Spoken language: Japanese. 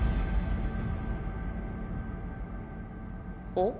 おっ？